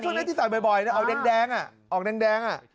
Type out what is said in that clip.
ชุดนี้ที่ใส่บ่อยเอาแดงอ่ะ